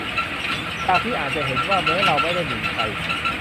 จากที่อ่านจะเห็นว่า แม้เราไม่ได้หมิ่นใคร